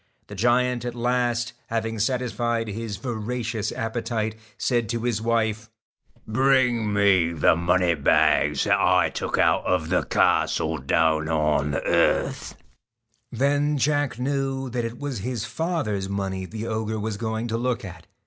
The giant at last, having satisfied his voracious appetite, said to his wife :* Bring me the money 9 TACK bags that I took out of the castle down on the iND THE earth.' STALK Tnen J ack knew that it was his father's money the ogre was going to look at.